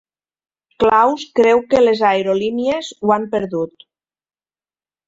Klaus creu que les aerolínies ho han perdut.